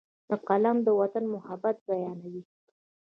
قلم د وطن محبت بیانوي